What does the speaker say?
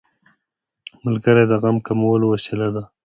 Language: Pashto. ملګری د غم کمولو وسیله ده